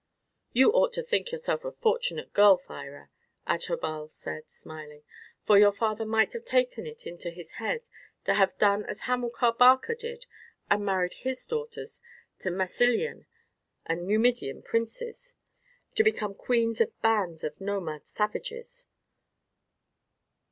"You ought to think yourself a fortunate girl, Thyra," Adherbal said, smiling; "for your father might have taken it into his head to have done as Hamilcar Barca did, and married his daughters to Massilian and Numidian princes, to become queens of bands of nomad savages."